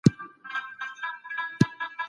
هغه یوه افسانوي ټولنه تشریح کړې ده.